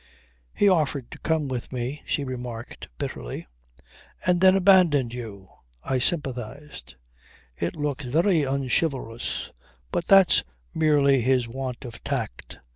"He offered to come with me," she remarked bitterly. "And then abandoned you!" I sympathized. "It looks very unchivalrous. But that's merely his want of tact.